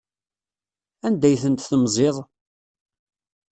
Anda ay tent-temziḍ?